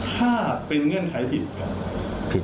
ถ้าเป็นเงื่อนไขผิดครับ